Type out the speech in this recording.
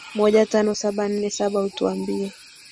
moja tano saba nne saba utuambie